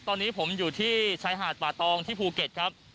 ตอนนี้ผมอยู่ที่ชายหาดป่าตองที่ภูเก็ตครับ